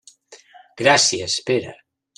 Gràcies, Pere.